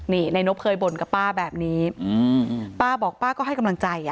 นี่นายนบเคยบ่นกับป้าแบบนี้อืมป้าบอกป้าก็ให้กำลังใจอ่ะ